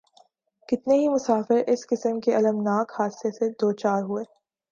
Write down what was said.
کتنے ہی مسافر اس قسم کے الم ناک حادثے سے دوچار ھوۓ